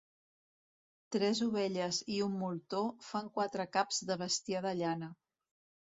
Tres ovelles i un moltó fan quatre caps de bestiar de llana.